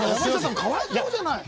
かわいそうじゃない！